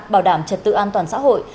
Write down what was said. bảo đảm trật tự an toàn xã hội